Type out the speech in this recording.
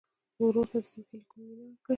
ورور ته د زړګي له کومي مینه ورکوې.